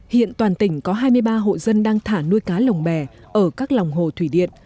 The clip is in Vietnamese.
hiện toàn tỉnh có hai mươi ba hộ dân đang thả nuôi cá lồng bè ở các lòng hồ thủy điện